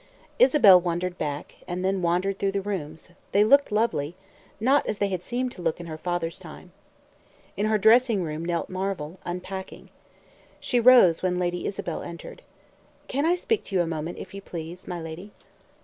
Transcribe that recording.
Isabel wandered back, and then wandered through the rooms; they looked lonely; not as they had seemed to look in her father's time. In her dressing room knelt Marvel, unpacking. She rose when Lady Isabel entered. "Can I speak to you a moment, if you please my lady?"